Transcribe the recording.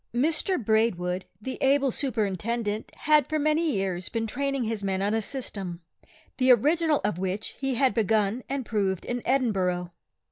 Mr Braidwood, the able Superintendent, had for many years been training his men on a system, the original of which he had begun and proved in Edinburgh.